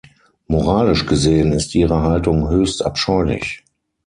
Moralisch gesehen ist Ihre Haltung höchst abscheulich.